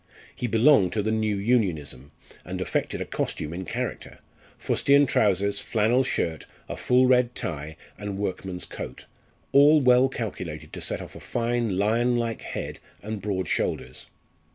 He belonged to the New Unionism, and affected a costume in character fustian trousers, flannel shirt, a full red tie and work man's coat, all well calculated to set off a fine lion like head and broad shoulders.